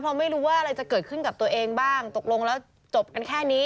เพราะไม่รู้ว่าอะไรจะเกิดขึ้นกับตัวเองบ้างตกลงแล้วจบกันแค่นี้